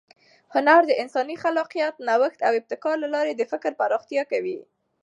هنر د انساني خلاقیت، نوښت او ابتکار له لارې د فکر پراختیا کوي.